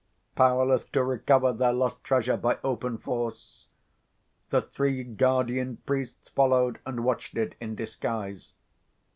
Powerless to recover their lost treasure by open force, the three guardian priests followed and watched it in disguise.